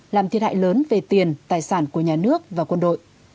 làm thiệt hại lớn về tiền tài sản của nhà nước và quân đội